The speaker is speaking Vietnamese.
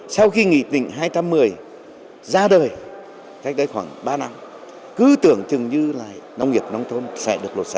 sau khi nghị định hai trăm một mươi ra đời cách đấy khoảng ba năm cứ tưởng tưởng như là nông nghiệp nông thôn sẽ được lột xả